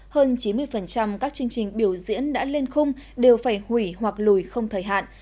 hơn chín mươi các chương trình biểu diễn đã lên khung đều phải hủy hoặc lùi không thời hạn